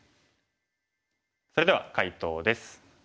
それでは解答です。